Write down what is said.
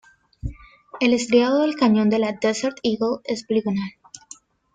El estriado del cañón de la Desert Eagle es poligonal.